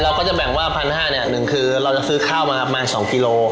เราก็จะแบ่งว่า๑๕๐๐เนี่ยหนึ่งคือเราจะซื้อข้าวมาประมาณ๒กิโล